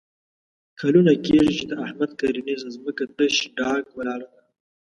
کلونه کېږي چې د احمد کرنیزه ځمکه تش ډاګ ولاړه ده.